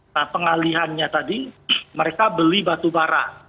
nah pengalihannya tadi mereka beli batu bara